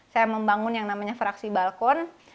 saya membangun yang namanya fraksi balkon